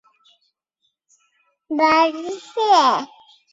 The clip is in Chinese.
长女马以南托给湖南宁乡外婆家。